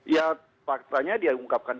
ya faktanya dia ungkapkan